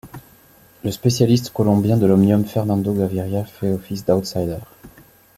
Le spécialiste colombien de l'omnium Fernando Gaviria fait office d'outsider.